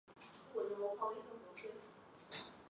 伊瓦图巴是巴西巴拉那州的一个市镇。